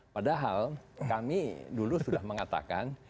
padahal kami dulu sudah mengatakan